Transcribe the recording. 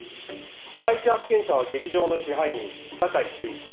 第一発見者は劇場の支配人堺修一。